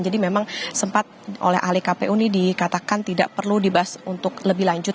jadi memang sempat oleh ahli kpu ini dikatakan tidak perlu dibahas untuk lebih lanjut